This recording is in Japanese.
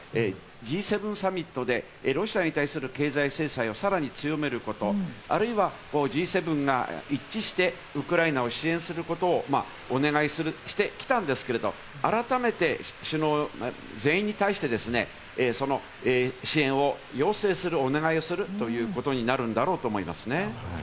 Ｇ７サミットでロシアに対する経済制裁をさらに強めること、さらにはＧ７が一致して、ウクライナを支援することをお願いしてきたんですけれども、改めて首脳全員に対して、支援を要請する、お願いをするということになるんだろうと思いますね。